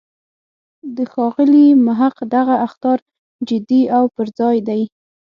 د ښاغلي محق دغه اخطار جدی او پر ځای دی.